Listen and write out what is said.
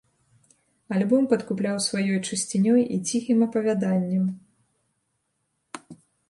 Альбом падкупляў сваёй чысцінёй і ціхім апавяданнем.